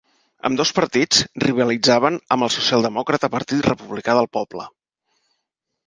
Ambdós partits rivalitzaven amb el socialdemòcrata Partit Republicà del Poble.